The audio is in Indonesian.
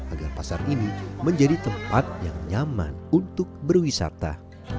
agar pasar ini menjadi tempat yang nyaman untuk berwisata